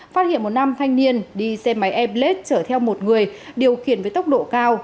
phát hiện một nam thanh niên đi xe máy airblade chở theo một người điều khiển với tốc độ cao